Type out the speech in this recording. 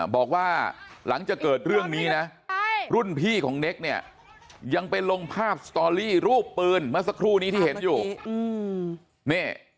บอกว่าหลังจากเกิดเรื่องนี้นะรุ่นพี่ของเน็กเนี่ยยังไปลงภาพสตอรี่รูปปืนเมื่อสักครู่นี้ที่เห็นอยู่นี่